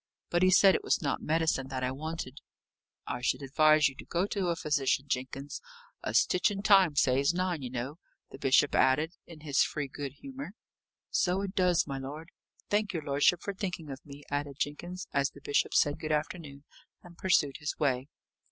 But he said it was not medicine that I wanted." "I should advise you to go to a physician, Jenkins. A stitch in time saves nine, you know," the bishop added, in his free good humour. "So it does, my lord. Thank your lordship for thinking of me," added Jenkins, as the bishop said good afternoon, and pursued his way.